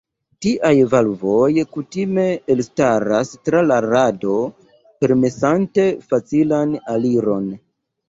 Tiaj valvoj kutime elstaras tra la rado permesante facilan aliron.